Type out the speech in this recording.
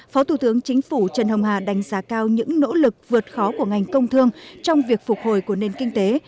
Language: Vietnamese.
phó thủ tướng chính phủ trần hồng hà đánh giá cao những nỗ lực vượt khó của ngành công thương trong việc phục hồi của nền kinh tế